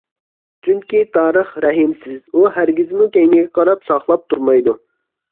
چۈنكى تارىخ رەھىمسىز، ئۇ ھەرگىزمۇ كەينىگە قاراپ ساقلاپ تۇرمايدۇ.